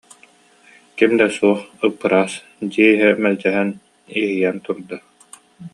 Ким да суох, ып-ыраас дьиэ иһэ мэлдьэһэн иһийэн турда